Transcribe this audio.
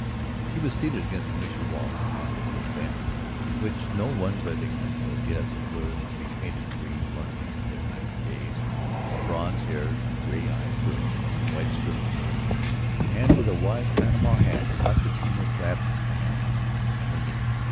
She was seated against the Mission wall upon the little bench which no one but Ignacio guessed was to be painted green one of these fine days, a bronze haired, gray eyed girl in white skirt and waist, and with a wide panama hat caught between her clasped hands and her knee.